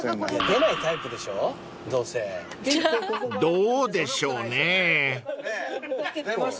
［どうでしょうね］出ます。